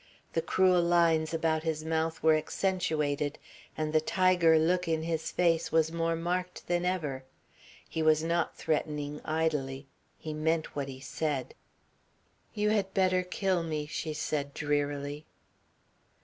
The cruel lines about his mouth were accentuated and the tiger look in his face was more marked than ever. He was not threatening idly; he meant what he said. "You had better kill me," she said drearily.